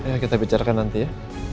ya kita bicarakan nanti ya